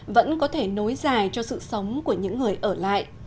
vẫn có thể nối dài cho sự sống của những người ở lại